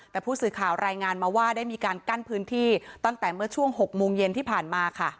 แต่ผู้สื่อข่าวรายงานมาว่าได้มีการกั้นพื้นที่ตั้งแต่เมื่อช่วง๖โมงเย็นที่ผ่านมาค่ะ